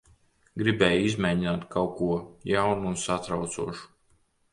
Gribēju izmēģināt kaut ko jaunu un satraucošu.